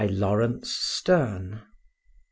LAURENCE STERNE, M.